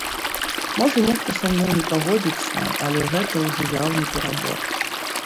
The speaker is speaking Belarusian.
Можа, нехта са мной не пагодзіцца, але гэта ўжо яўны перабор.